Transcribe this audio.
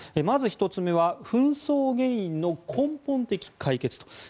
まず１つ目は紛争原因の根本的解決と。